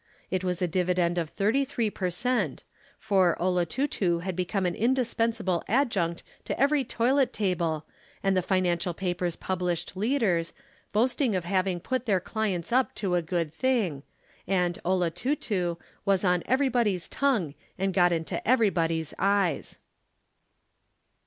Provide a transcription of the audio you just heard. It was a dividend of thirty three per cent, for "Olotutu" had become an indispensable adjunct to every toilet table and the financial papers published leaders, boasting of having put their clients up to a good thing, and "Olotutu" was on everybody's tongue and got into everybody's eyes.